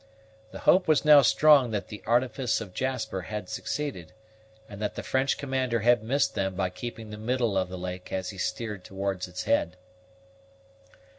The hope was now strong that the artifice of Jasper had succeeded, and that the French commander had missed them by keeping the middle of the lake as he steered towards its head.